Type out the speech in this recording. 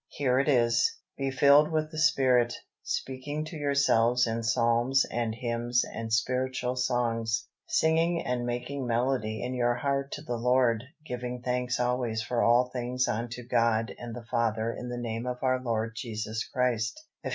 Here it is: "Be filled with the Spirit: speaking to yourselves in psalms and hymns and spiritual songs, singing and making melody in your heart to the Lord; giving thanks always for all things unto God and the Father in the name of our Lord Jesus Christ" (Eph.